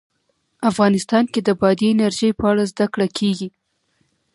افغانستان کې د بادي انرژي په اړه زده کړه کېږي.